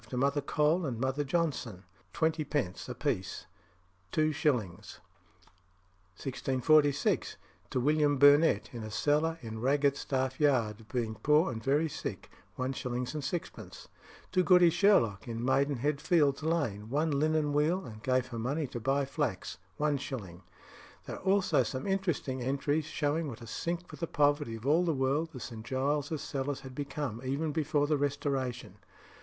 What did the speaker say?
To Mother Cole and Mother Johnson, xiid. a piece 0 2 0 1646. To William Burnett, in a cellar in Raggedstaff Yard, being poor and very sick 0 1 6 To Goody Sherlock, in Maidenhead fields Lane, one linen wheel, and gave her money to buy flax 0 1 0 There are also some interesting entries showing what a sink for the poverty of all the world the St. Giles's cellars had become, even before the Restoration.